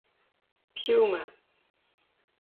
Piúma